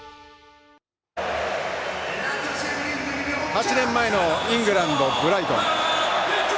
８年前のイングランド・ブライトン。